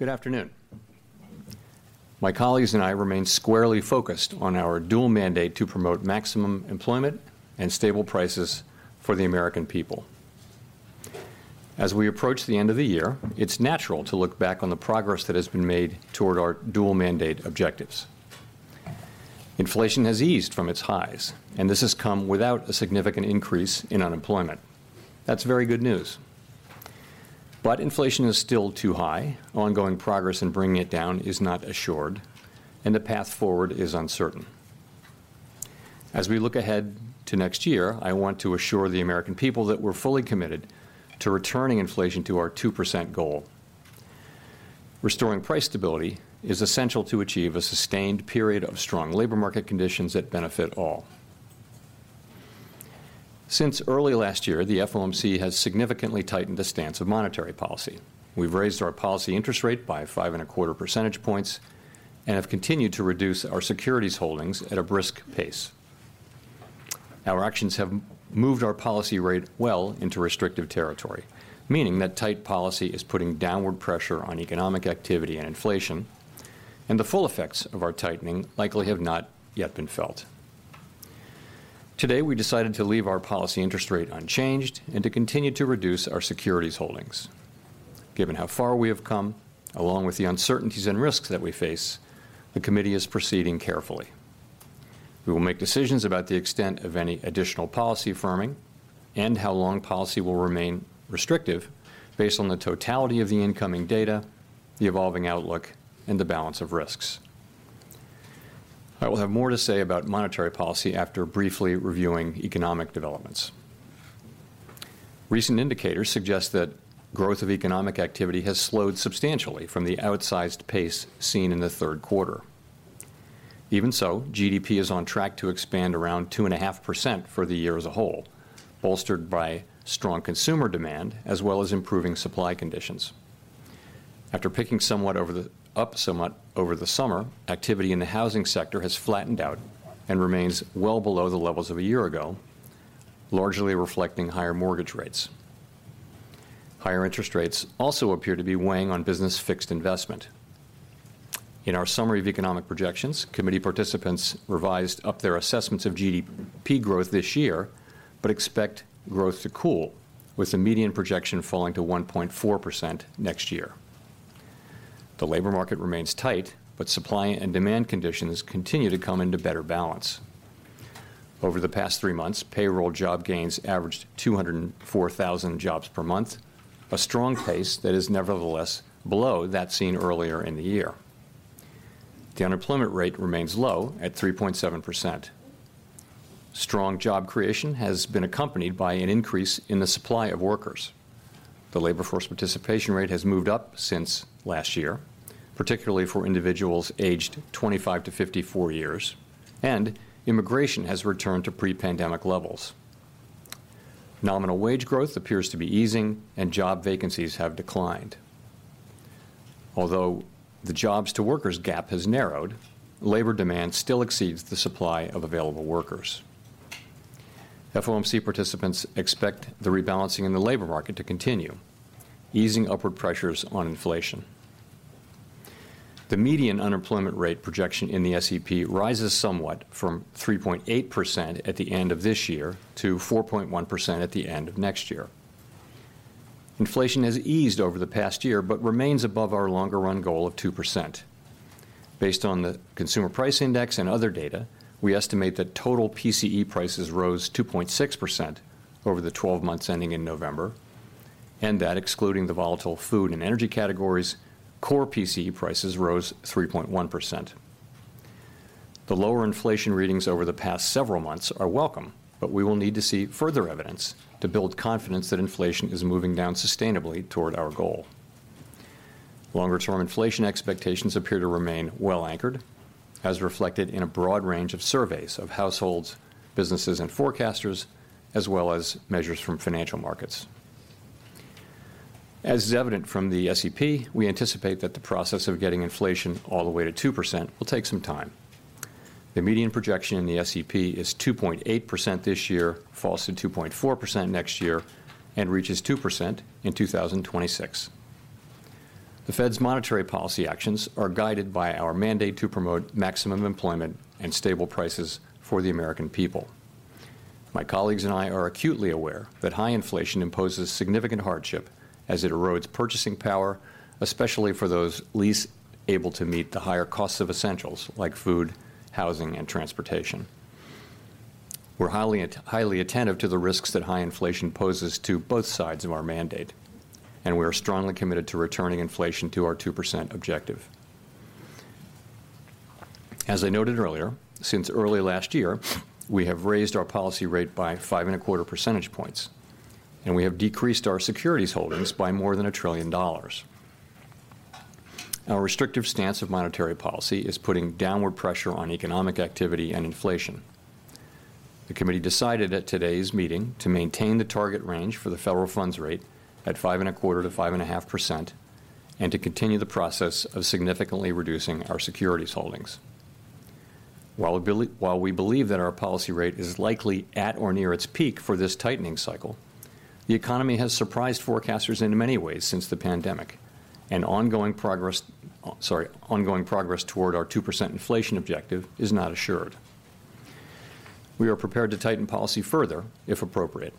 Good afternoon. My colleagues and I remain squarely focused on our dual mandate to promote maximum employment and stable prices for the American people. As we approach the end of the year, it's natural to look back on the progress that has been made toward our dual mandate objectives. Inflation has eased from its highs, and this has come without a significant increase in unemployment. That's very good news. But inflation is still too high, ongoing progress in bringing it down is not assured, and the path forward is uncertain. As we look ahead to next year, I want to assure the American people that we're fully committed to returning inflation to our 2% goal. Restoring price stability is essential to achieve a sustained period of strong labor market conditions that benefit all. Since early last year, the FOMC has significantly tightened the stance of monetary policy. We've raised our policy interest rate by 5.25 percentage points, and have continued to reduce our securities holdings at a brisk pace. Our actions have moved our policy rate well into restrictive territory, meaning that tight policy is putting downward pressure on economic activity and inflation, and the full effects of our tightening likely have not yet been felt. Today, we decided to leave our policy interest rate unchanged and to continue to reduce our securities holdings. Given how far we have come, along with the uncertainties and risks that we face, the committee is proceeding carefully. We will make decisions about the extent of any additional policy firming and how long policy will remain restrictive based on the totality of the incoming data, the evolving outlook, and the balance of risks. I will have more to say about monetary policy after briefly reviewing economic developments. Recent indicators suggest that growth of economic activity has slowed substantially from the outsized pace seen in the third quarter. Even so, GDP is on track to expand around 2.5% for the year as a whole, bolstered by strong consumer demand, as well as improving supply conditions. After picking up somewhat over the summer, activity in the housing sector has flattened out and remains well below the levels of a year ago, largely reflecting higher mortgage rates. Higher interest rates also appear to be weighing on business fixed investment. In our Summary of Economic Projections, committee participants revised up their assessments of GDP growth this year, but expect growth to cool, with the median projection falling to 1.4% next year. The labor market remains tight, but supply and demand conditions continue to come into better balance. Over the past three months, payroll job gains averaged 204,000 jobs per month, a strong pace that is nevertheless below that seen earlier in the year. The unemployment rate remains low at 3.7%. Strong job creation has been accompanied by an increase in the supply of workers. The labor force participation rate has moved up since last year, particularly for individuals aged 25-54 years, and immigration has returned to pre-pandemic levels. Nominal wage growth appears to be easing, and job vacancies have declined. Although the jobs-to-workers gap has narrowed, labor demand still exceeds the supply of available workers. FOMC participants expect the rebalancing in the labor market to continue, easing upward pressures on inflation. The median unemployment rate projection in the SEP rises somewhat from 3.8% at the end of this year to 4.1% at the end of next year. Inflation has eased over the past year, but remains above our longer-run goal of 2%. Based on the Consumer Price Index and other data, we estimate that total PCE prices rose 2.6% over the twelve months ending in November, and that excluding the volatile food and energy categories, core PCE prices rose 3.1%. The lower inflation readings over the past several months are welcome, but we will need to see further evidence to build confidence that inflation is moving down sustainably toward our goal. Longer-term inflation expectations appear to remain well anchored, as reflected in a broad range of surveys of households, businesses, and forecasters, as well as measures from financial markets. As is evident from the SEP, we anticipate that the process of getting inflation all the way to 2% will take some time. The median projection in the SEP is 2.8% this year, falls to 2.4% next year, and reaches 2% in 2026. The Fed's monetary policy actions are guided by our mandate to promote maximum employment and stable prices for the American people. My colleagues and I are acutely aware that high inflation imposes significant hardship as it erodes purchasing power, especially for those least able to meet the higher costs of essentials like food, housing, and transportation. We're highly attentive to the risks that high inflation poses to both sides of our mandate, and we are strongly committed to returning inflation to our 2% objective. As I noted earlier, since early last year, we have raised our policy rate by 5.25 percentage points, and we have decreased our securities holdings by more than $1 trillion. Our restrictive stance of monetary policy is putting downward pressure on economic activity and inflation. The committee decided at today's meeting to maintain the target range for the federal funds rate at 5.25%-5.5%, and to continue the process of significantly reducing our securities holdings. While we believe that our policy rate is likely at or near its peak for this tightening cycle, the economy has surprised forecasters in many ways since the pandemic, and ongoing progress toward our 2% inflation objective is not assured. We are prepared to tighten policy further, if appropriate.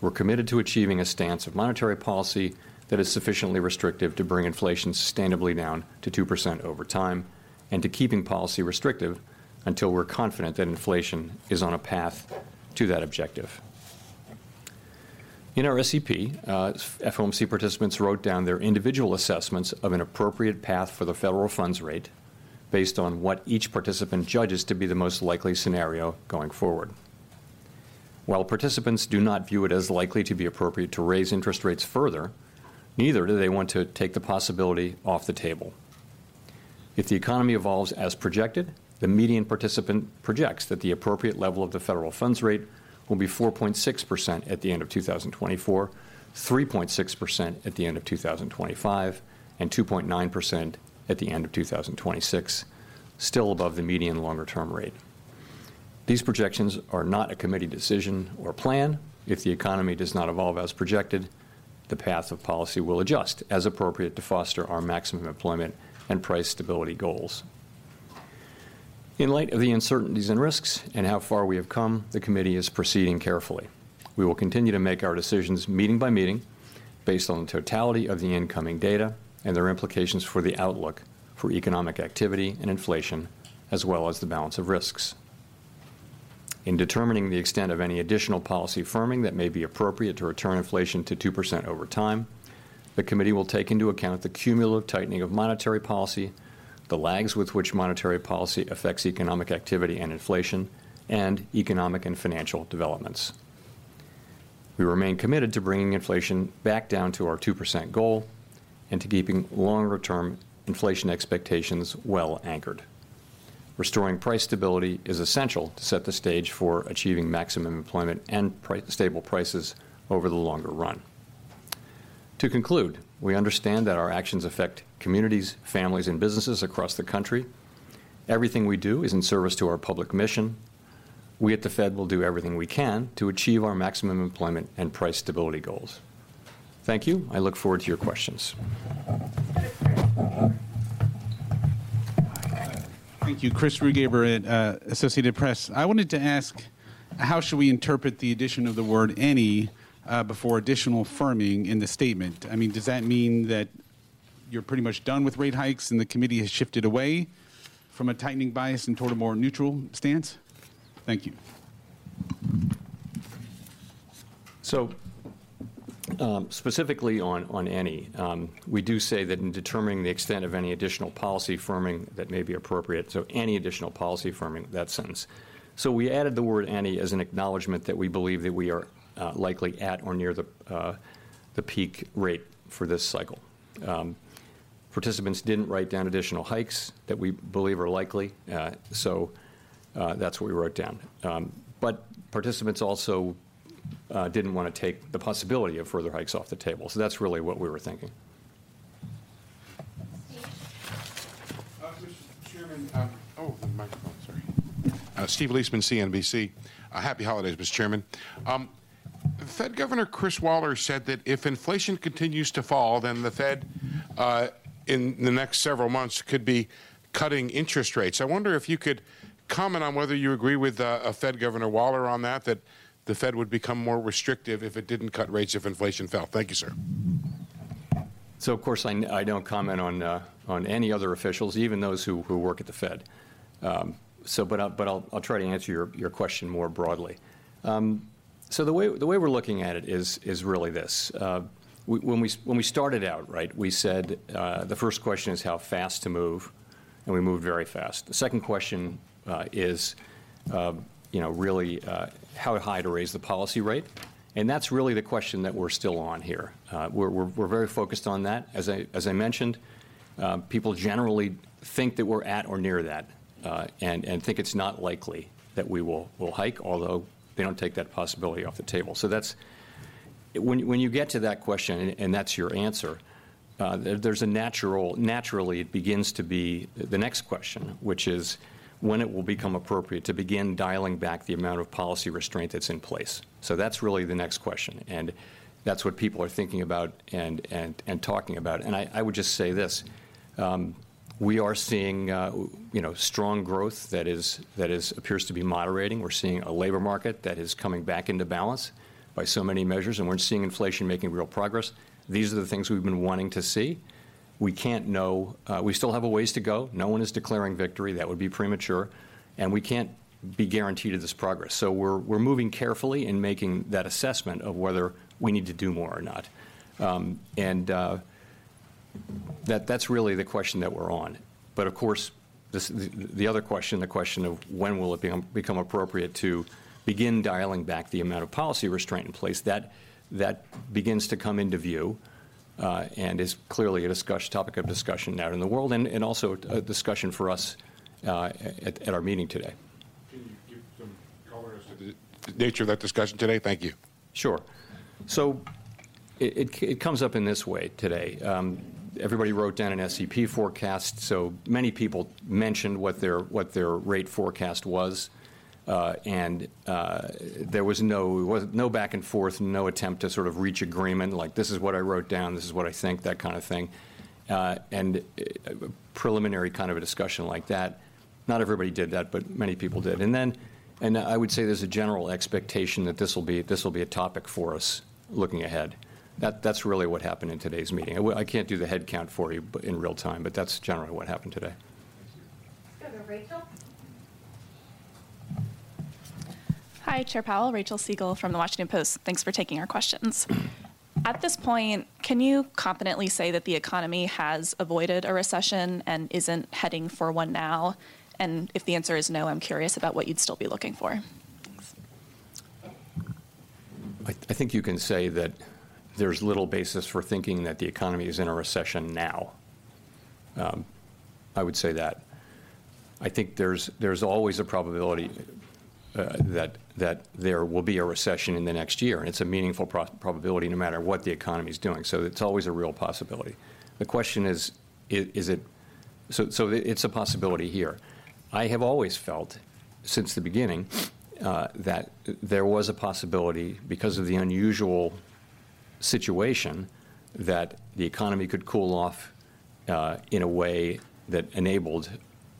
We're committed to achieving a stance of monetary policy that is sufficiently restrictive to bring inflation sustainably down to 2% over time, and to keeping policy restrictive until we're confident that inflation is on a path to that objective. In our SEP, FOMC participants wrote down their individual assessments of an appropriate path for the federal funds rate based on what each participant judges to be the most likely scenario going forward. While participants do not view it as likely to be appropriate to raise interest rates further, neither do they want to take the possibility off the table. If the economy evolves as projected, the median participant projects that the appropriate level of the federal funds rate will be 4.6% at the end of 2024, 3.6% at the end of 2025, and 2.9% at the end of 2026, still above the median longer-term rate. These projections are not a committee decision or plan. If the economy does not evolve as projected, the path of policy will adjust as appropriate to foster our maximum employment and price stability goals. In light of the uncertainties and risks, and how far we have come, the committee is proceeding carefully. We will continue to make our decisions meeting by meeting, based on the totality of the incoming data and their implications for the outlook for economic activity and inflation, as well as the balance of risks. In determining the extent of any additional policy firming that may be appropriate to return inflation to 2% over time, the committee will take into account the cumulative tightening of monetary policy, the lags with which monetary policy affects economic activity and inflation, and economic and financial developments. We remain committed to bringing inflation back down to our 2% goal and to keeping longer-term inflation expectations well anchored. Restoring price stability is essential to set the stage for achieving maximum employment and price stability over the longer-run. To conclude, we understand that our actions affect communities, families, and businesses across the country. Everything we do is in service to our public mission. We at the Fed will do everything we can to achieve our maximum employment and price stability goals. Thank you. I look forward to your questions. Thank you. Chris Rugaber at Associated Press. I wanted to ask, how should we interpret the addition of the word "any" before additional firming in the statement? I mean, does that mean that you're pretty much done with rate hikes, and the committee has shifted away from a tightening bias and toward a more neutral stance? Thank you. So, specifically on "any," we do say that in determining the extent of any additional policy firming that may be appropriate, so any additional policy firming, that sentence. So we added the word "any" as an acknowledgment that we believe that we are likely at or near the peak rate for this cycle. Participants didn't write down additional hikes that we believe are likely, so that's what we wrote down. But participants also didn't wanna take the possibility of further hikes off the table, so that's really what we were thinking. Steve? Mr. Chairman, Steve Liesman, CNBC. Happy holidays, Mr. Chairman. Fed Governor Chris Waller said that if inflation continues to fall, then the Fed, in the next several months, could be cutting interest rates. I wonder if you could comment on whether you agree with Fed Governor Waller on that, that the Fed would become more restrictive if it didn't cut rates if inflation fell. Thank you, sir. So of course, I don't comment on any other officials, even those who work at the Fed. So, but I'll try to answer your question more broadly. So the way we're looking at it is really this: when we started out, right, we said the first question is how fast to move, and we moved very fast. The second question is you know, really how high to raise the policy rate, and that's really the question that we're still on here. We're very focused on that. As I mentioned, people generally think that we're at or near that, and think it's not likely that we will hike, although they don't take that possibility off the table. So that's... When you get to that question and that's your answer, there's naturally it begins to be the next question, which is when it will become appropriate to begin dialing back the amount of policy restraint that's in place. So that's really the next question, and that's what people are thinking about and talking about. And I would just say this: you know, we are seeing strong growth that appears to be moderating. We're seeing a labor market that is coming back into balance by so many measures, and we're seeing inflation making real progress. These are the things we've been wanting to see. We can't know. We still have a ways to go. No one is declaring victory. That would be premature, and we can't be guaranteed of this progress. So we're moving carefully in making that assessment of whether we need to do more or not. That's really the question that we're on. But of course, the other question, the question of when it will become appropriate to begin dialing back the amount of policy restraint in place, that begins to come into view, and is clearly a topic of discussion out in the world and also a discussion for us, at our meeting today. Can you give some color as to the nature of that discussion today? Thank you. Sure. So it comes up in this way today. Everybody wrote down an SEP forecast, so many people mentioned what their rate forecast was. And there was no back and forth, no attempt to sort of reach agreement, like, "This is what I wrote down, this is what I think," that kind of thing. And preliminary kind of a discussion like that. Not everybody did that, but many people did. And then I would say there's a general expectation that this will be a topic for us looking ahead. That's really what happened in today's meeting. I can't do the head count for you but in real time, but that's generally what happened today. Go to Rachel. Hi, Chair Powell. Rachel Siegel from The Washington Post. Thanks for taking our questions. At this point, can you confidently say that the economy has avoided a recession and isn't heading for one now? And if the answer is no, I'm curious about what you'd still be looking for. I think you can say that there's little basis for thinking that the economy is in a recession now. I would say that. I think there's always a probability that there will be a recession in the next year, and it's a meaningful probability no matter what the economy's doing. So it's always a real possibility. The question is, is it... So it's a possibility here. I have always felt, since the beginning, that there was a possibility, because of the unusual situation, that the economy could cool off in a way that enabled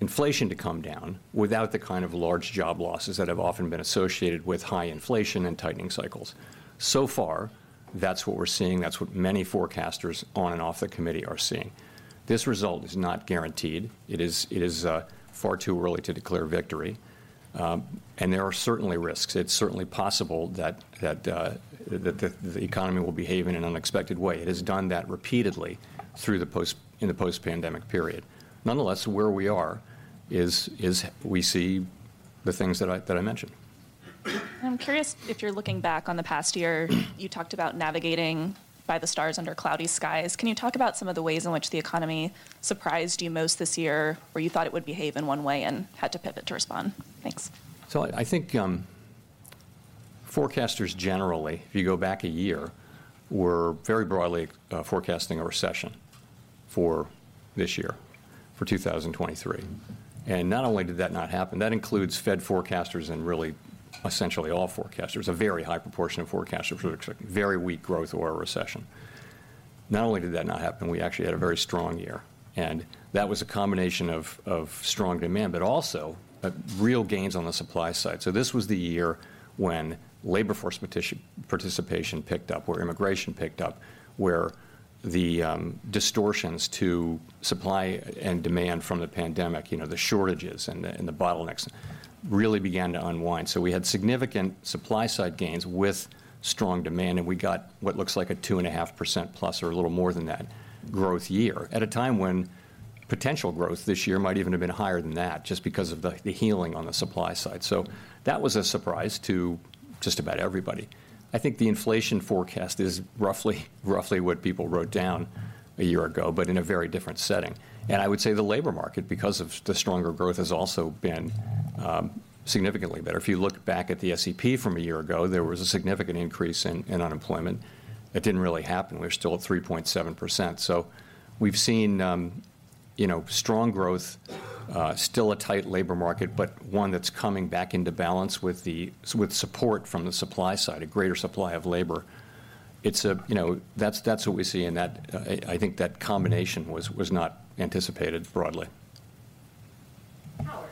inflation to come down without the kind of large job losses that have often been associated with high inflation and tightening cycles. So far, that's what we're seeing, that's what many forecasters on and off the committee are seeing. This result is not guaranteed. It is far too early to declare victory, and there are certainly risks. It's certainly possible that the economy will behave in an unexpected way. It has done that repeatedly through the post-pandemic period. Nonetheless, where we are is we see the things that I mentioned. I'm curious if you're looking back on the past year, you talked about navigating by the stars under cloudy skies. Can you talk about some of the ways in which the economy surprised you most this year, where you thought it would behave in one way and had to pivot to respond? Thanks. So I think, forecasters generally, if you go back a year, were very broadly forecasting a recession for this year, for 2023. And not only did that not happen, that includes Fed forecasters and really essentially all forecasters. A very high proportion of forecasters were expecting very weak growth or a recession. Not only did that not happen, we actually had a very strong year. And that was a combination of strong demand, but also real gains on the supply side. So this was the year when labor force participation picked up, where immigration picked up, where the distortions to supply and demand from the pandemic, you know, the shortages and the bottlenecks, really began to unwind. So we had significant supply-side gains with strong demand, and we got what looks like a 2.5%+ or a little more than that growth year, at a time when potential growth this year might even have been higher than that, just because of the healing on the supply side. So that was a surprise to just about everybody. I think the inflation forecast is roughly, roughly what people wrote down a year ago, but in a very different setting. And I would say the labor market, because of the stronger growth, has also been significantly better. If you look back at the SEP from a year ago, there was a significant increase in unemployment. That didn't really happen. We're still at 3.7%. So we've seen, you know, strong growth, still a tight labor market, but one that's coming back into balance with support from the supply side, a greater supply of labor. That's what we see, and that I think that combination was not anticipated broadly. Howard.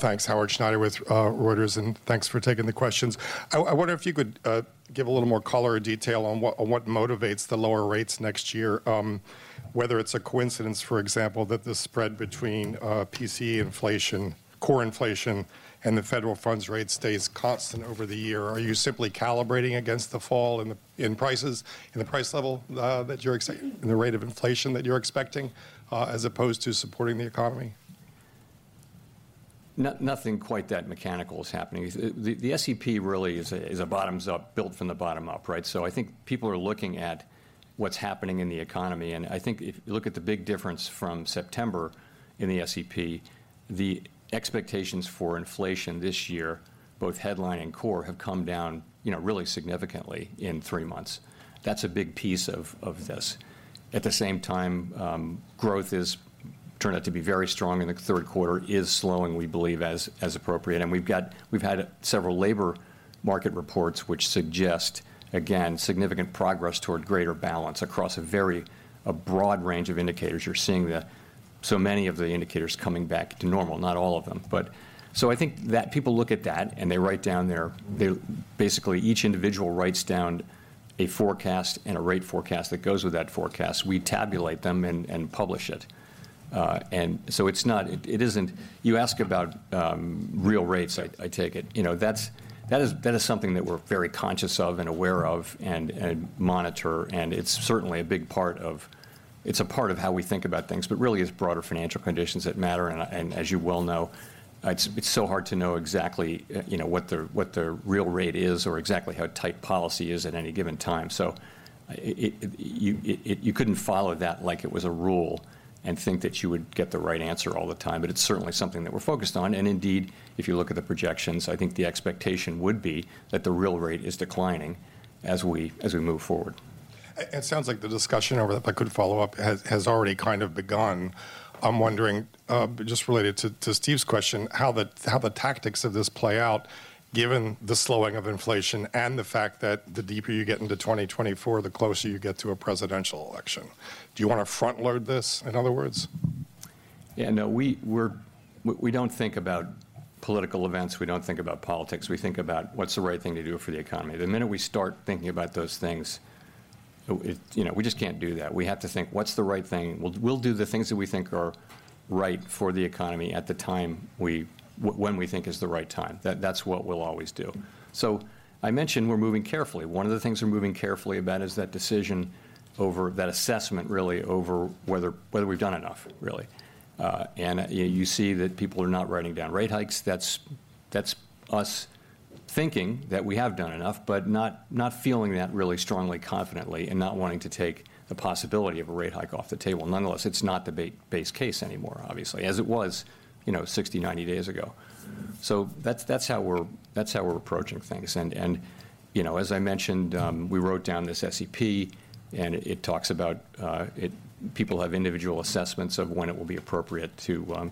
Thanks. Howard Schneider with Reuters, and thanks for taking the questions. I wonder if you could give a little more color or detail on what motivates the lower rates next year, whether it's a coincidence, for example, that the spread between PCE inflation, core inflation, and the federal funds rate stays constant over the year. Are you simply calibrating against the fall in the prices, in the price level that you're expecting and the rate of inflation that you're expecting, as opposed to supporting the economy? Nothing quite that mechanical is happening. The SEP really is a bottoms-up, built from the bottom up, right? So I think people are looking at what's happening in the economy, and I think if you look at the big difference from September in the SEP, the expectations for inflation this year, both headline and core, have come down, you know, really significantly in three months. That's a big piece of this. At the same time, growth turned out to be very strong in the third quarter, is slowing, we believe, as appropriate. We've had several labor market reports which suggest, again, significant progress toward greater balance across a very broad range of indicators. You're seeing so many of the indicators coming back to normal, not all of them, but... So I think that people look at that, and they write down their—basically, each individual writes down a forecast and a rate forecast that goes with that forecast. We tabulate them and publish it. It's not—it isn't. You ask about real rates, I take it. You know, that's something that we're very conscious of and aware of and monitor, and it's certainly a big part of... It's a part of how we think about things, but really, it's broader financial conditions that matter, and as you well know, it's so hard to know exactly, you know, what the real rate is or exactly how tight policy is at any given time. So you couldn't follow that like it was a rule and think that you would get the right answer all the time, but it's certainly something that we're focused on. And indeed, if you look at the projections, I think the expectation would be that the real rate is declining as we move forward. It sounds like the discussion over, if I could follow up, has already kind of begun. I'm wondering, just related to Steve's question, how the tactics of this play out, given the slowing of inflation and the fact that the deeper you get into 2024, the closer you get to a presidential election. Do you wanna front-load this, in other words? Yeah, no, we don't think about political events, we don't think about politics. We think about what's the right thing to do for the economy. The minute we start thinking about those things, it, you know, we just can't do that. We have to think, "What's the right thing?" We'll do the things that we think are right for the economy at the time when we think is the right time. That, that's what we'll always do. So I mentioned we're moving carefully. One of the things we're moving carefully about is that decision, that assessment, really, over whether we've done enough, really. And, you know, you see that people are not writing down rate hikes. That's us thinking that we have done enough, but not, not feeling that really strongly confidently, and not wanting to take the possibility of a rate hike off the table. Nonetheless, it's not the base case anymore, obviously, as it was, you know, 60, 90 days ago. So that's how we're approaching things. And, you know, as I mentioned, we wrote down this SEP, and it talks about it. People have individual assessments of when it will be appropriate to,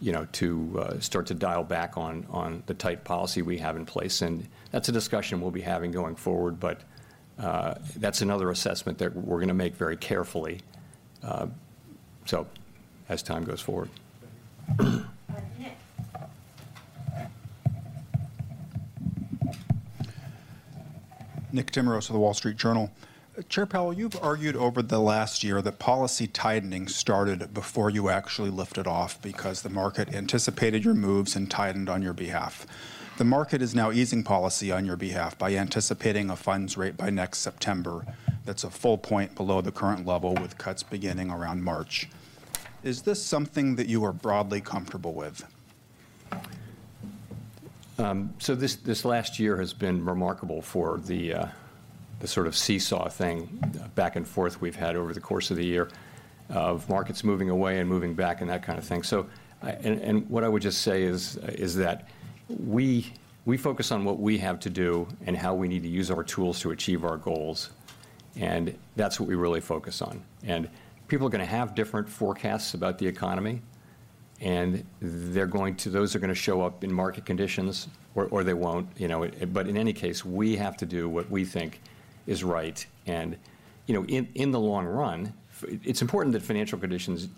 you know, to start to dial back on the tight policy we have in place. And that's a discussion we'll be having going forward, but that's another assessment that we're gonna make very carefully, so as time goes forward. Nick Timiraos of The Wall Street Journal. Chair Powell, you've argued over the last year that policy tightening started before you actually lifted off, because the market anticipated your moves and tightened on your behalf. The market is now easing policy on your behalf by anticipating a funds rate by next September that's a full point below the current level, with cuts beginning around March. Is this something that you are broadly comfortable with? So this last year has been remarkable for the sort of seesaw thing, back and forth, we've had over the course of the year, of markets moving away and moving back, and that kind of thing. So, what I would just say is that we focus on what we have to do and how we need to use our tools to achieve our goals, and that's what we really focus on. And people are gonna have different forecasts about the economy, and they're going to, those are gonna show up in market conditions or they won't, you know. But in any case, we have to do what we think is right. And, you know, in the long run, it's important that financial conditions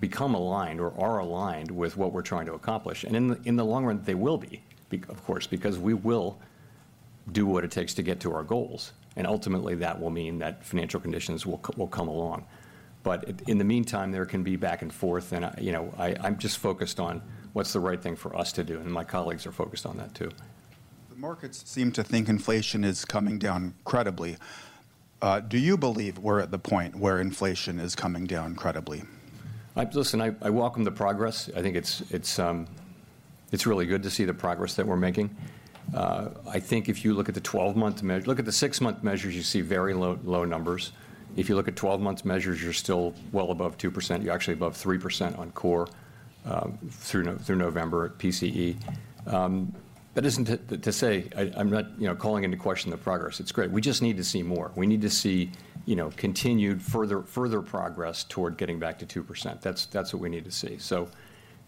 become aligned or are aligned with what we're trying to accomplish. In the long run, they will be of course, because we will do what it takes to get to our goals, and ultimately, that will mean that financial conditions will come along. But in the meantime, there can be back and forth, and, you know, I'm just focused on what's the right thing for us to do, and my colleagues are focused on that, too. The markets seem to think inflation is coming down credibly. Do you believe we're at the point where inflation is coming down credibly? Listen, I welcome the progress. I think it's really good to see the progress that we're making. I think if you look at the 12-month measure—look at the six-month measures, you see very low numbers. If you look at 12-month measures, you're still well above 2%. You're actually above 3% on core through November at PCE. That isn't to say... I'm not, you know, calling into question the progress. It's great. We just need to see more. We need to see, you know, continued, further progress toward getting back to 2%. That's what we need to see. So,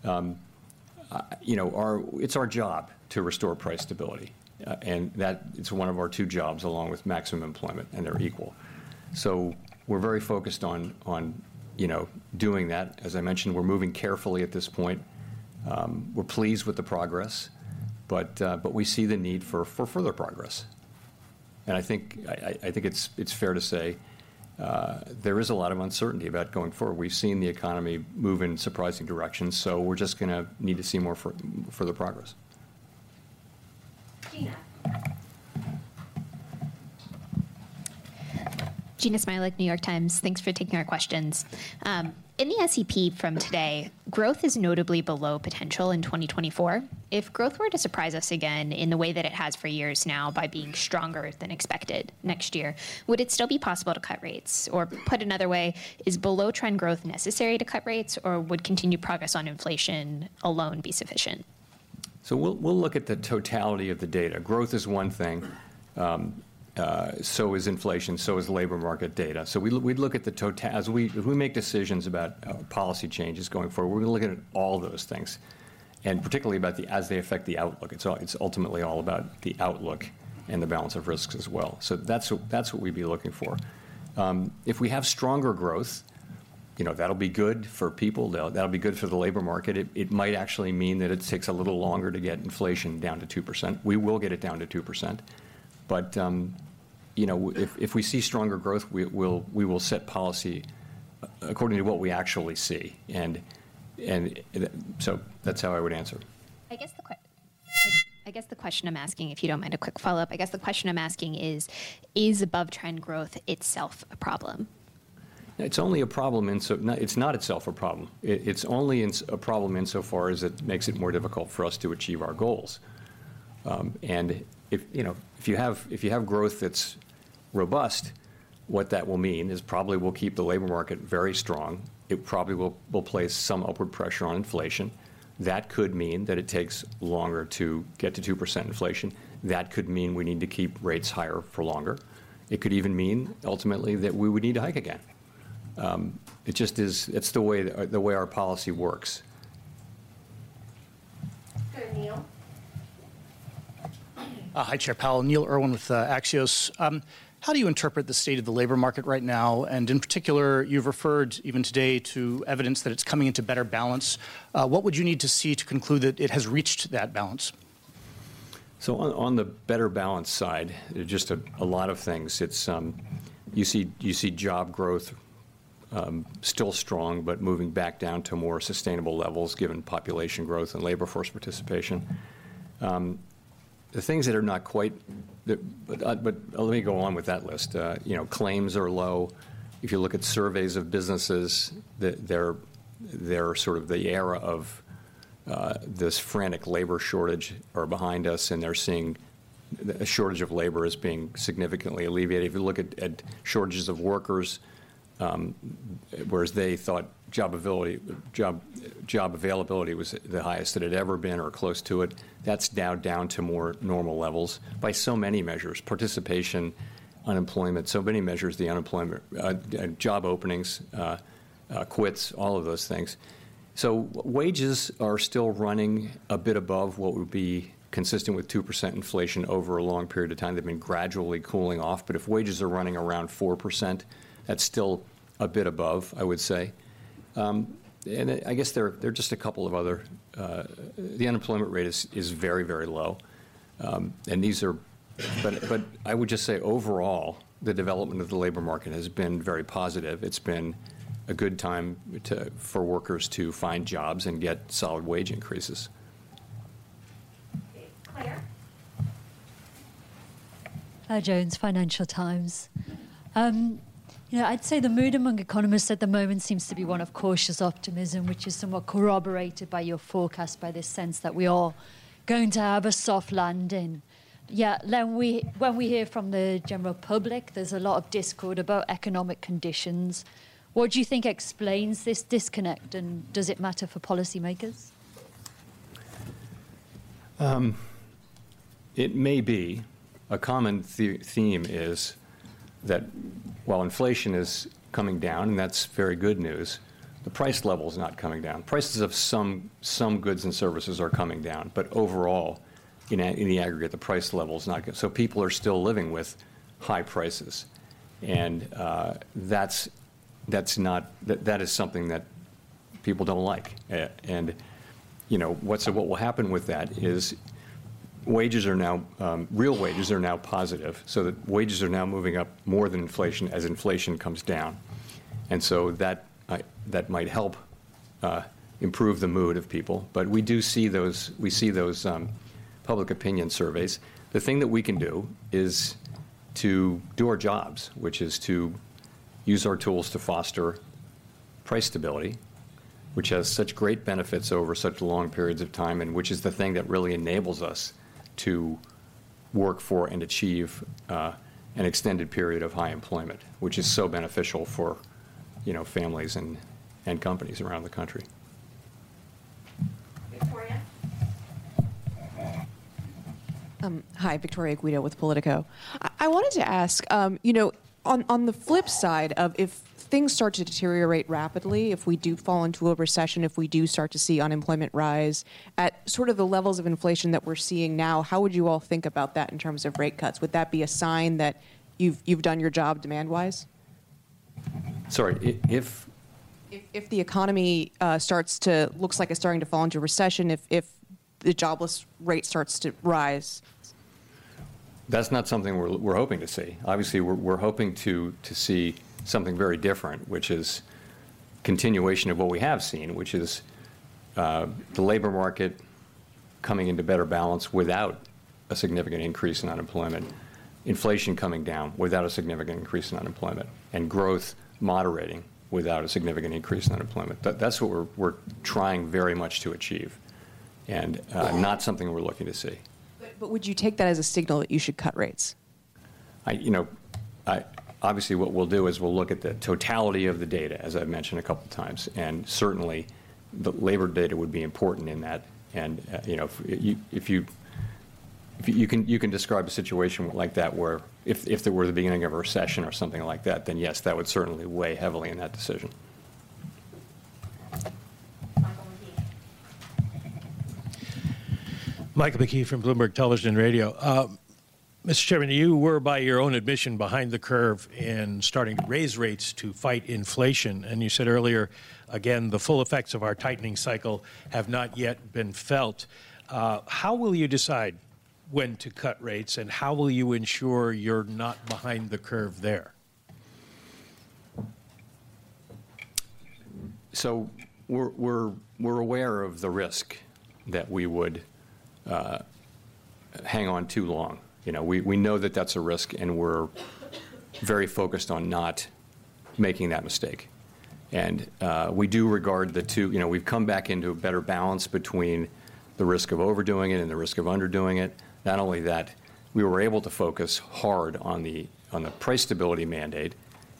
you know, it's our job to restore price stability, and it's one of our two jobs, along with maximum employment, and they're equal. So we're very focused on you know, doing that. As I mentioned, we're moving carefully at this point. We're pleased with the progress, but but we see the need for further progress. And I think it's fair to say there is a lot of uncertainty about going forward. We've seen the economy move in surprising directions, so we're just gonna need to see more further progress. Jeanna. Jeanna Smialek, The New York Times. Thanks for taking our questions. In the SEP from today, growth is notably below potential in 2024. If growth were to surprise us again, in the way that it has for years now, by being stronger than expected next year, would it still be possible to cut rates? Or put another way, is below-trend growth necessary to cut rates, or would continued progress on inflation alone be sufficient? So we'll look at the totality of the data. Growth is one thing, so is inflation, so is labor market data. So we'd look at the totality if we make decisions about policy changes going forward, we're gonna look at all those things, and particularly as they affect the outlook. It's ultimately all about the outlook and the balance of risks, as well. So that's what we'd be looking for. If we have stronger growth, you know, that'll be good for people, that'll be good for the labor market. It might actually mean that it takes a little longer to get inflation down to 2%. We will get it down to 2%, but you know, if we see stronger growth, we will set policy according to what we actually see. And so that's how I would answer. I guess the question I'm asking, if you don't mind a quick follow-up, is: Is above-trend growth itself a problem? It's only a problem insofar—no, it's not itself a problem. It's only a problem in so far as it makes it more difficult for us to achieve our goals. And if, you know, if you have growth that's robust, what that will mean is probably we'll keep the labor market very strong. It probably will place some upward pressure on inflation. That could mean that it takes longer to get to 2% inflation. That could mean we need to keep rates higher for longer. It could even mean, ultimately, that we would need to hike again. It just is. It's the way our policy works. Go to Neil. Hi, Chair Powell. Neil Irwin with Axios. How do you interpret the state of the labor market right now? And in particular, you've referred, even today, to evidence that it's coming into better balance. What would you need to see to conclude that it has reached that balance? So on the better balance side, just a lot of things. It's you see job growth still strong, but moving back down to more sustainable levels, given population growth and labor force participation. The things that are not quite, but let me go on with that list. You know, claims are low. If you look at surveys of businesses, they're sort of the era of this frantic labor shortage are behind us, and they're seeing a shortage of labor as being significantly alleviated. If you look at shortages of workers, whereas they thought job availability was the highest it had ever been or close to it, that's now down to more normal levels by so many measures: participation, unemployment, so many measures, the unemployment, job openings, quits, all of those things. So wages are still running a bit above what would be consistent with 2% inflation over a long period of time. They've been gradually cooling off, but if wages are running around 4%, that's still a bit above, I would say. And I guess there are just a couple of other. The unemployment rate is very, very low, and these are. But I would just say, overall, the development of the labor market has been very positive. It's been a good time for workers to find jobs and get solid wage increases. Claire? Claire Jones, Financial Times. You know, I'd say the mood among economists at the moment seems to be one of cautious optimism, which is somewhat corroborated by your forecast, by this sense that we are going to have a soft landing. Yet, when we, when we hear from the general public, there's a lot of discord about economic conditions. What do you think explains this disconnect, and does it matter for policymakers? It may be a common theme that while inflation is coming down, and that's very good news, the price level is not coming down. Prices of some goods and services are coming down, but overall, in the aggregate, the price level is not good. So people are still living with high prices, and that's something that people don't like. And, you know, what will happen with that is real wages are now positive, so the wages are now moving up more than inflation as inflation comes down. And so that might help improve the mood of people. But we do see those public opinion surveys. The thing that we can do is to do our jobs, which is to use our tools to foster price stability, which has such great benefits over such long periods of time, and which is the thing that really enables us to work for and achieve an extended period of high employment, which is so beneficial for, you know, families and companies around the country. Victoria. Hi, Victoria Guida with POLITICO. I wanted to ask, you know, on the flip side of if things start to deteriorate rapidly, if we do fall into a recession, if we do start to see unemployment rise, at sort of the levels of inflation that we're seeing now, how would you all think about that in terms of rate cuts? Would that be a sign that you've done your job demand-wise? Sorry, if? If the economy looks like it's starting to fall into recession, if the jobless rate starts to rise. That's not something we're hoping to see. Obviously, we're hoping to see something very different, which is continuation of what we have seen, which is the labor market coming into better balance without a significant increase in unemployment, inflation coming down without a significant increase in unemployment, and growth moderating without a significant increase in unemployment. That's what we're trying very much to achieve and not something we're looking to see. But would you take that as a signal that you should cut rates? You know, obviously, what we'll do is we'll look at the totality of the data, as I've mentioned a couple times, and certainly, the labor data would be important in that. And, you know, if you can describe a situation like that where if there were the beginning of a recession or something like that, then yes, that would certainly weigh heavily in that decision. Michael McKee. Michael McKee from Bloomberg Television and Radio. Mr. Chairman, you were, by your own admission, behind the curve in starting to raise rates to fight inflation. And you said earlier, again, "The full effects of our tightening cycle have not yet been felt." How will you decide when to cut rates, and how will you ensure you're not behind the curve there? So we're aware of the risk that we would hang on too long. You know, we know that that's a risk, and we're very focused on not making that mistake. And we do regard the two. You know, we've come back into a better balance between the risk of overdoing it and the risk of underdoing it. Not only that, we were able to focus hard on the price stability mandate,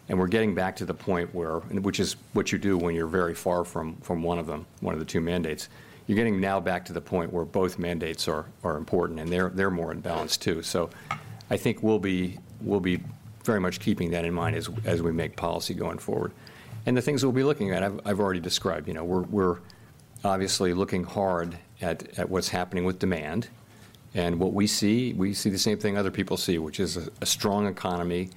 and we're getting back to the point where... Which is what you do when you're very far from one of them, one of the two mandates. You're getting now back to the point where both mandates are important, and they're more in balance, too. So I think we'll be very much keeping that in mind as we make policy going forward. And the things we'll be looking at, I've already described. You know, we're obviously looking hard at what's happening with demand, and what we see, we see the same thing other people see, which is a strong economy,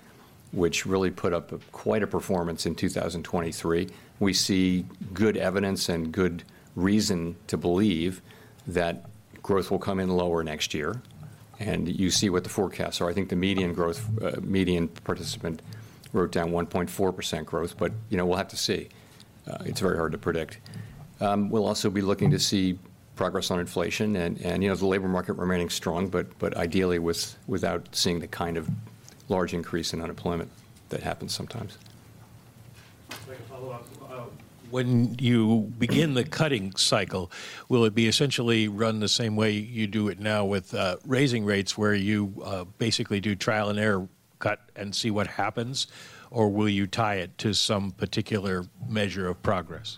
which really put up quite a performance in 2023. We see good evidence and good reason to believe that growth will come in lower next year, and you see what the forecasts are. I think the median growth, median participant wrote down 1.4% growth, but, you know, we'll have to see. It's very hard to predict. We'll also be looking to see progress on inflation and, you know, the labor market remaining strong, but ideally, without seeing the kind of large increase in unemployment that happens sometimes. When you begin the cutting cycle, will it be essentially run the same way you do it now with raising rates, where you basically do trial-and-error cut and see what happens? Or will you tie it to some particular measure of progress?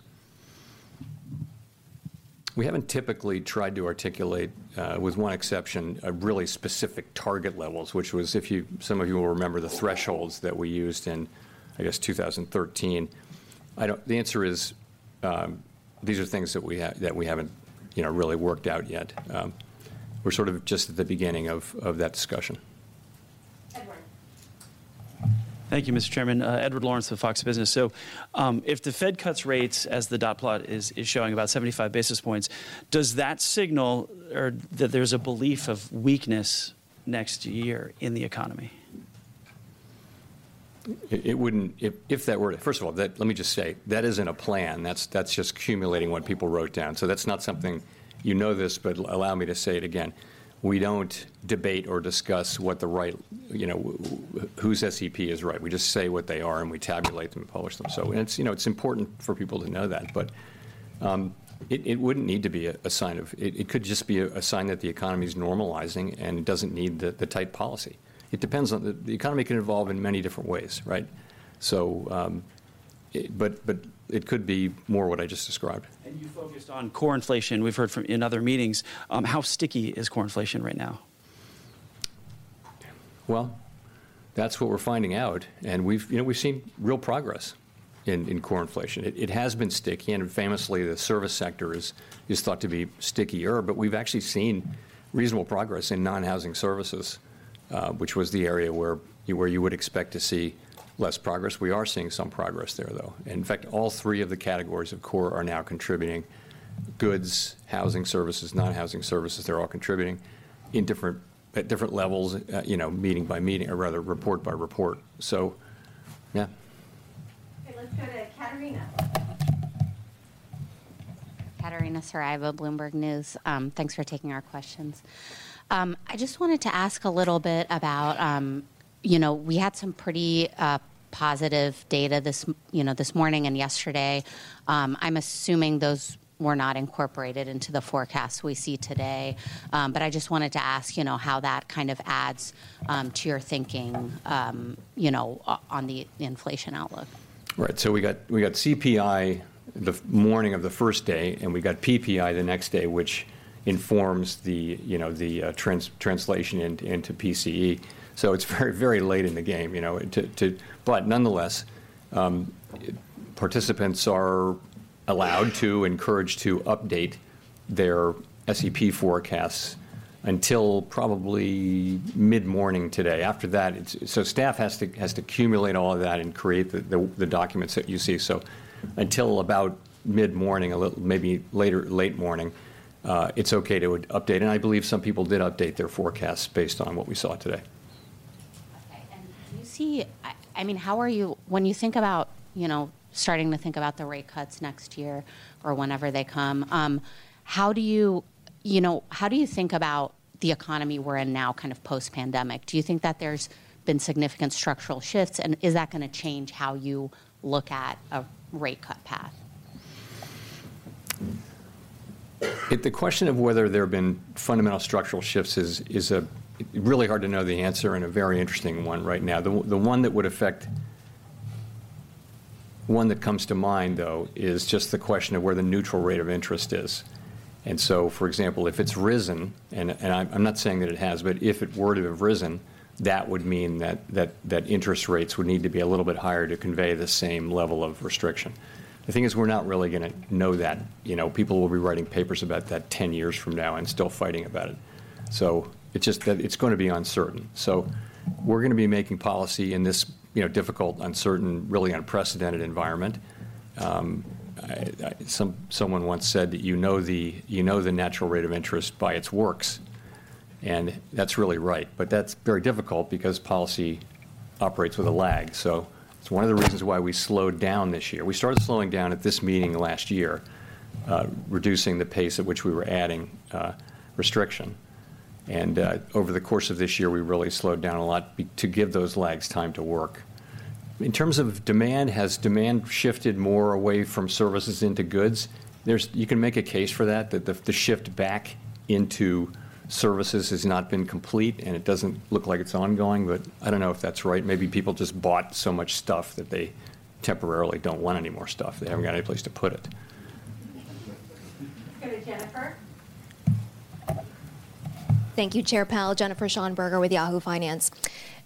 We haven't typically tried to articulate, with one exception, a really specific target levels, which was some of you will remember the thresholds that we used in, I guess, 2013. The answer is, these are things that we that we haven't, you know, really worked out yet. We're sort of just at the beginning of that discussion. Edward. Thank you, Mr. Chairman. Edward Lawrence with Fox Business. So, if the Fed cuts rates, as the dot plot is showing, about 75 basis points, does that signal that there's a belief of weakness next year in the economy? It wouldn't. If that were—First of all, that—let me just say, that isn't a plan. That's just accumulating what people wrote down. So that's not something. You know this, but allow me to say it again. We don't debate or discuss what the right, you know, whose SEP is right. We just say what they are, and we tabulate them and publish them. So and it's, you know, it's important for people to know that. But, it wouldn't need to be a sign of. It could just be a sign that the economy is normalizing, and it doesn't need the tight policy. It depends on the economy can evolve in many different ways, right? So, but it could be more what I just described. You focused on core inflation. We've heard from in other meetings. How sticky is core inflation right now? Well, that's what we're finding out, and we've, you know, we've seen real progress in core inflation. It has been sticky, and famously, the service sector is thought to be stickier, but we've actually seen reasonable progress in non-housing services, which was the area where you would expect to see less progress. We are seeing some progress there, though. In fact, all three of the categories of core are now contributing: goods, housing services, non-housing services. They're all contributing in different, at different levels, you know, meeting by meeting, or rather, report by report. So, yeah. Okay, let's go to Catarina. Catarina Saraiva, Bloomberg News. Thanks for taking our questions. I just wanted to ask a little bit about... You know, we had some pretty positive data this morning and yesterday. I'm assuming those were not incorporated into the forecast we see today, but I just wanted to ask, you know, how that kind of adds to your thinking, you know, on the inflation outlook? Right. So we got CPI the morning of the first day, and we got PPI the next day, which informs the, you know, the translation into PCE. So it's very, very late in the game, you know, but nonetheless, participants are allowed to, encouraged to update their SEP forecasts until probably mid-morning today. After that, it's so staff has to cumulate all of that and create the documents that you see. So until about mid-morning, a little, maybe later, late morning, it's okay to update. And I believe some people did update their forecasts based on what we saw today. Okay. And do you see... I mean, how are you? When you think about, you know, starting to think about the rate cuts next year or whenever they come, how do you, you know, how do you think about the economy we're in now, kind of post-pandemic? Do you think that there's been significant structural shifts, and is that gonna change how you look at a rate cut path? The question of whether there have been fundamental structural shifts is really hard to know the answer and a very interesting one right now. The one that comes to mind, though, is just the question of where the neutral rate of interest is. And so, for example, if it's risen, and I'm not saying that it has, but if it were to have risen, that would mean that interest rates would need to be a little bit higher to convey the same level of restriction. The thing is, we're not really gonna know that. You know, people will be writing papers about that 10 years from now and still fighting about it. So it's just that it's gonna be uncertain. So we're gonna be making policy in this, you know, difficult, uncertain, really unprecedented environment. Someone once said that you know the natural rate of interest by its works, and that's really right, but that's very difficult because policy operates with a lag. So it's one of the reasons why we slowed down this year. We started slowing down at this meeting last year, reducing the pace at which we were adding restriction. And over the course of this year, we really slowed down a lot to give those lags time to work. In terms of demand, has demand shifted more away from services into goods? There's you can make a case for that, that the shift back into services has not been complete, and it doesn't look like it's ongoing, but I don't know if that's right. Maybe people just bought so much stuff that they temporarily don't want any more stuff. They haven't got any place to put it. Jennifer? Thank you, Chair Powell. Jennifer Schonberger with Yahoo Finance.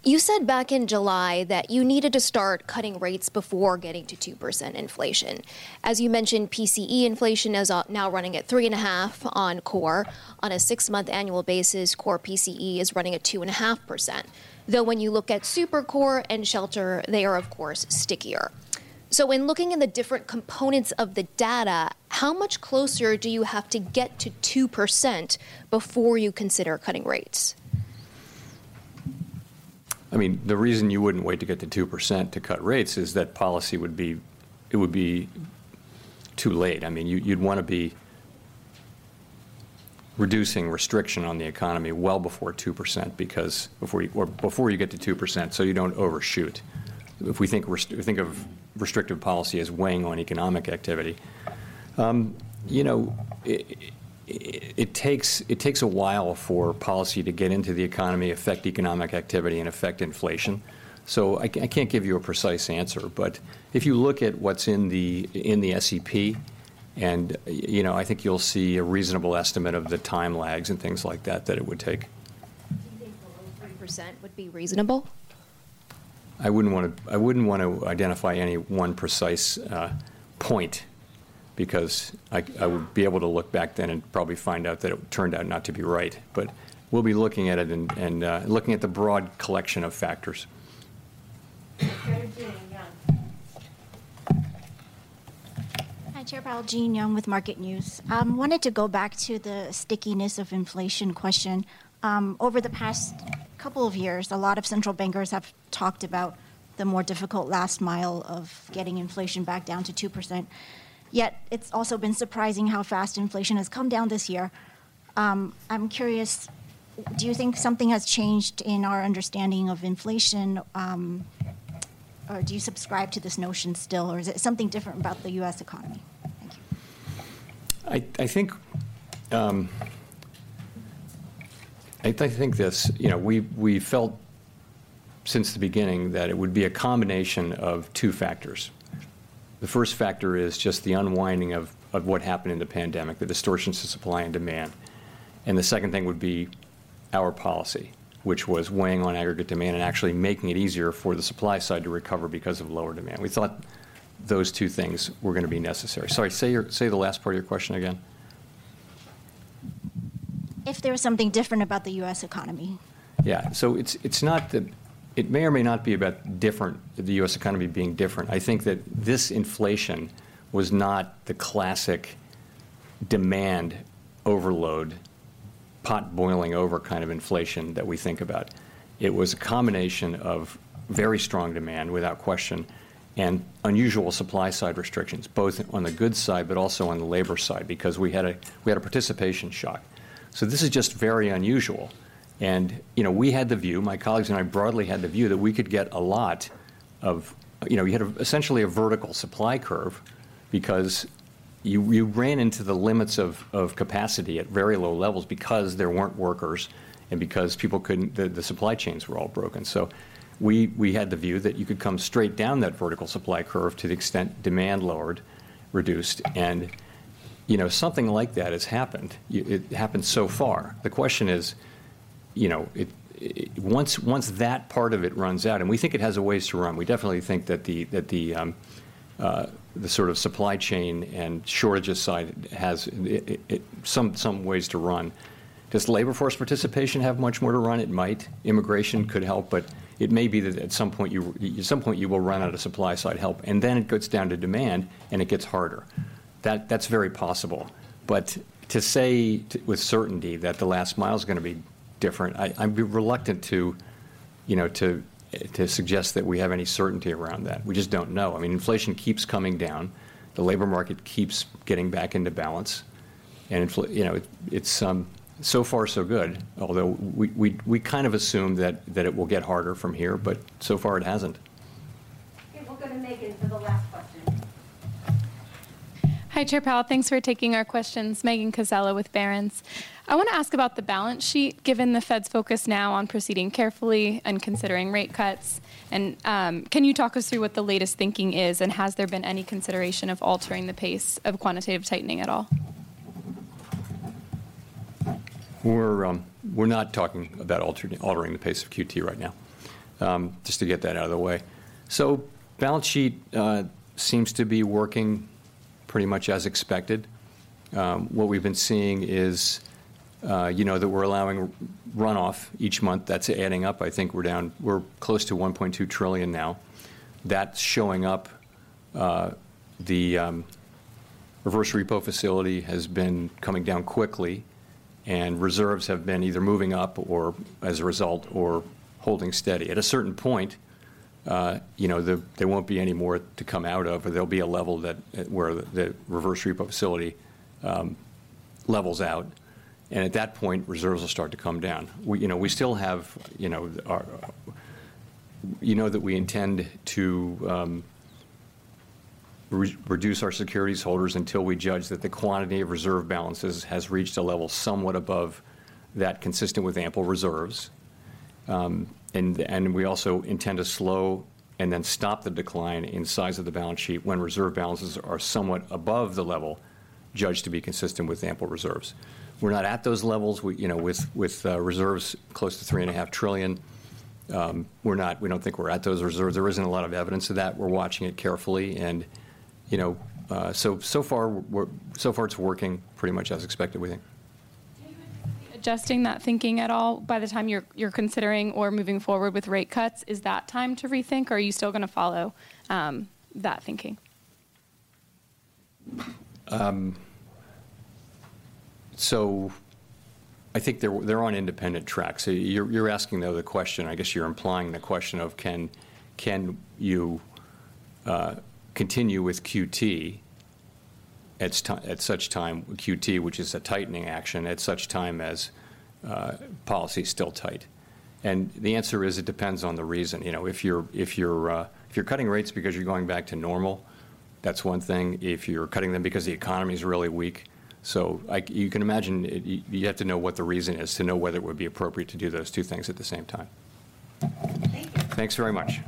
You said back in July that you needed to start cutting rates before getting to 2% inflation. As you mentioned, PCE inflation is now running at 3.5% on core. On a six-month annual basis, core PCE is running at 2.5%, though when you look at supercore and shelter, they are, of course, stickier. So when looking in the different components of the data, how much closer do you have to get to 2% before you consider cutting rates? I mean, the reason you wouldn't wait to get to 2% to cut rates is that policy would be, it would be too late. I mean, you, you'd wanna be reducing restriction on the economy well before 2% because... Before you, or before you get to 2%, so you don't overshoot, if we think we think of restrictive policy as weighing on economic activity. You know, it takes a while for policy to get into the economy, affect economic activity, and affect inflation. So I can't give you a precise answer, but if you look at what's in the, in the SEP, and, you know, I think you'll see a reasonable estimate of the time lags and things like that, that it would take. Do you think below 3% would be reasonable? I wouldn't wanna identify any one precise point, because I, Yeah.... would be able to look back then and probably find out that it turned out not to be right. But we'll be looking at it and looking at the broad collection of factors. Okay, Jean Yung. Hi, Chair Powell. Jean Yung with Market News. Wanted to go back to the stickiness of inflation question. Over the past couple of years, a lot of central bankers have talked about the more difficult last mile of getting inflation back down to 2%, yet it's also been surprising how fast inflation has come down this year. I'm curious, do you think something has changed in our understanding of inflation? Or do you subscribe to this notion still, or is it something different about the U.S. economy? Thank you. I think this: you know, we felt since the beginning that it would be a combination of two factors. The first factor is just the unwinding of what happened in the pandemic, the distortions to supply and demand. The second thing would be our policy, which was weighing on aggregate demand and actually making it easier for the supply side to recover because of lower demand. We thought those two things were gonna be necessary. Sorry, say the last part of your question again. If there was something different about the U.S. economy. Yeah. So it's not that it may or may not be about the U.S. economy being different. I think that this inflation was not the classic demand overload, pot boiling over kind of inflation that we think about. It was a combination of very strong demand, without question, and unusual supply-side restrictions, both on the goods side, but also on the labor side, because we had a participation shock. So this is just very unusual. And, you know, we had the view, my colleagues and I broadly had the view that we could get a lot of... You know, you had essentially a vertical supply curve because you ran into the limits of capacity at very low levels because there weren't workers and because people couldn't, the supply chains were all broken. So we had the view that you could come straight down that vertical supply curve to the extent demand lowered, reduced. You know, something like that has happened. It happened so far. The question is, you know, once that part of it runs out, and we think it has a ways to run. We definitely think that the sort of supply chain and shortages side has some ways to run. Does labor force participation have much more to run? It might. Immigration could help, but it may be that at some point you will run out of supply side help, and then it gets down to demand, and it gets harder. That's very possible. But to say with certainty that the last mile is gonna be different, I, I'd be reluctant to, you know, to suggest that we have any certainty around that. We just don't know. I mean, inflation keeps coming down, the labor market keeps getting back into balance, and you know, it's so far so good, although we kind of assume that it will get harder from here, but so far it hasn't. Okay, we'll go to Megan for the last question. Hi, Chair Powell. Thanks for taking our questions. Megan Cassella with Barron's. I wanna ask about the balance sheet, given the Fed's focus now on proceeding carefully and considering rate cuts. And, can you talk us through what the latest thinking is, and has there been any consideration of altering the pace of quantitative tightening at all? We're not talking about altering the pace of QT right now, just to get that out of the way. So balance sheet seems to be working pretty much as expected. What we've been seeing is, you know, that we're allowing runoff each month. That's adding up. I think we're down. We're close to $1.2 trillion now. That's showing up. The reverse repo facility has been coming down quickly, and reserves have been either moving up or, as a result, or holding steady. At a certain point, you know, there won't be any more to come out of, but there'll be a level that where the reverse repo facility levels out, and at that point, reserves will start to come down. We, you know, we still have, you know, our... You know that we intend to reduce our securities holdings until we judge that the quantity of reserve balances has reached a level somewhat above that consistent with ample reserves. And we also intend to slow and then stop the decline in size of the balance sheet when reserve balances are somewhat above the level judged to be consistent with ample reserves. We're not at those levels. We, you know, with reserves close to $3.5 trillion, we're not, we don't think we're at those reserves. There isn't a lot of evidence of that. We're watching it carefully and, you know. So far, it's working pretty much as expected, we think. Do you intend on adjusting that thinking at all by the time you're considering or moving forward with rate cuts? Is that time to rethink, or are you still gonna follow that thinking? So I think they're on independent tracks. So you're asking, though, the question, I guess you're implying the question of can you continue with QT at such time, QT, which is a tightening action, at such time as policy is still tight? The answer is: It depends on the reason. You know, if you're cutting rates because you're going back to normal, that's one thing. If you're cutting them because the economy is really weak... You can imagine, you have to know what the reason is to know whether it would be appropriate to do those two things at the same time. Thank you. Thanks very much.